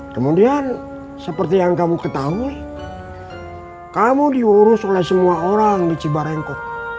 kemudian seperti yang kamu ketahui kamu diurus oleh semua orang di cibarengko